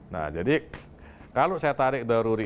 nah jadi kalau saya tarik daruri